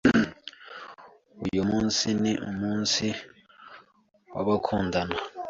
Uyu munsi ni umunsi w'abakundana.